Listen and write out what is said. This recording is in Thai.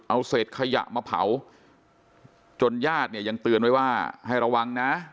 เอาเศษขยะมาเผาจนญาติเนี่ยยังเตือนไว้ว่าให้ระวังนะ